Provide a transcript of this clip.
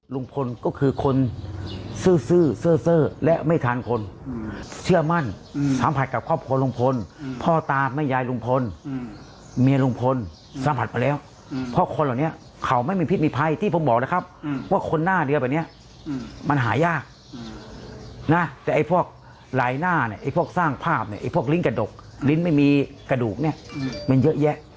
ลุงพลก็คือคนซื่อและไม่ทานคนเชื่อมั่นสัมผัสกับครอบครัวลุงพลพ่อตาแม่ยายลุงพลเมียลุงพลสัมผัสมาแล้วเพราะคนเหล่านี้เขาไม่มีพิษมีภัยที่ผมบอกนะครับว่าคนหน้าเดียวแบบนี้มันหายากนะแต่ไอ้พวกลายหน้าเนี่ยไอ้พวกสร้างภาพเนี่ยไอ้พวกลิ้นกระดกลิ้นไม่มีกระดูกเนี่ยมันเยอะแยะ